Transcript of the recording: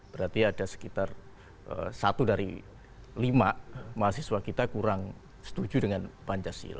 berarti ada sekitar satu dari lima mahasiswa kita kurang setuju dengan pancasila